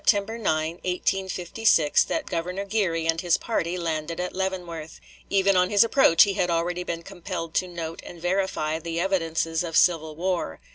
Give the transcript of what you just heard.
Gihon, pp. 104 6. It was on September 9, 1856, that Governor Geary and his party landed at Leavenworth. Even on his approach he had already been compelled to note and verify the evidences of civil war.